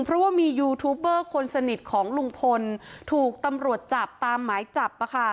เพราะว่ามียูทูบเบอร์คนสนิทของลุงพลถูกตำรวจจับตามหมายจับ